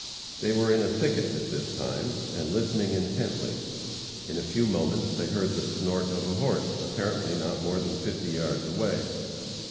They were in a thicket at this time, and listening intently. In a few moments they heard the snort of a horse, apparently not more than fifty yards away.